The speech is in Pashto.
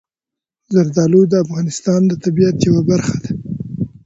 زردالو د افغانستان د طبیعت یوه برخه ده.